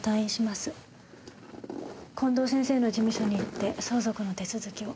近藤先生の事務所に行って相続の手続きを。